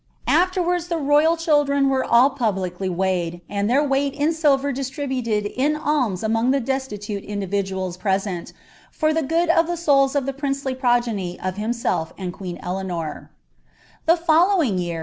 !■ tho royal children were all publicly weighed, and their weight IT dtatribnled in alms among the desutute individuals present, for 1 of the souls of the princely progeny of himself and queen i lie following year.